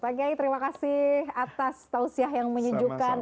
pak kiai terima kasih atas tausiah yang menyejukkan